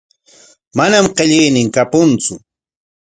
Manam qillaynin kapuntsu.